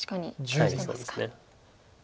はいそうですね。